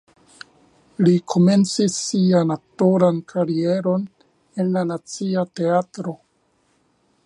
Li komencis sian aktoran karieron en la Nacia Teatro.